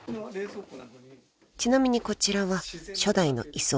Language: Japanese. ［ちなみにこちらは初代の居候］